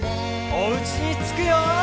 おうちにつくよ！